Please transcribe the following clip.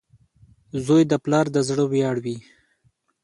• زوی د پلار د زړۀ ویاړ وي.